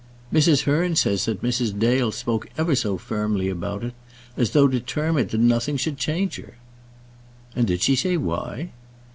"Mrs. Hearn says that Mrs. Dale spoke ever so firmly about it, as though determined that nothing should change her." "And did she say why?"